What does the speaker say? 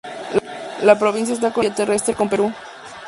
La provincia está conectada vía terrestre con Perú.